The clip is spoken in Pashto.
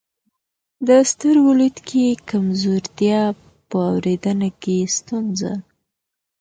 د سترګو لید کې کمزورتیا، په اورېدنه کې ستونزه،